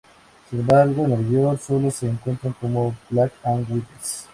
Sin embargo, en Nueva York solo se encuentran como "black and whites".